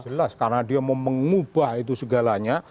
jelas karena dia mau mengubah itu segalanya